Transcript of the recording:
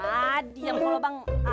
ah diam kalau bang